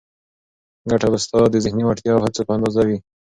ګټه به ستا د ذهني وړتیا او هڅو په اندازه وي.